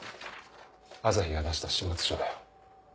朝陽が出した始末書だよ。